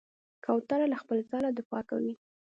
کوتره له خپل ځاله دفاع کوي.